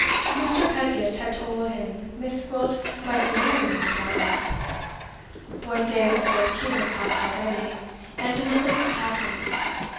Mr. Pedgift had told him Miss Gwilt might be married in a fortnight. One day of the fourteen had passed already, and another was passing.